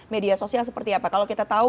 media sosial seperti apa kalau kita tahu